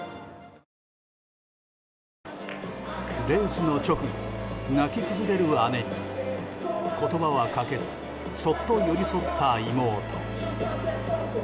レースの直後、泣き崩れる姉に言葉はかけずそっと寄り添った妹。